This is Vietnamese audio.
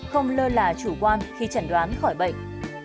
không lơ là chủ quan khi chẩn đoán khỏi bệnh